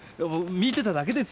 見てただけですよ。